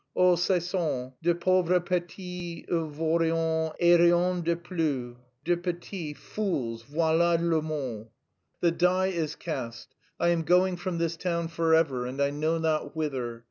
Oh, ce sont des pauvres petits vauriens et rien de plus, des petits fools voilà le mot! The die is cast; I am going from this town forever and I know not whither.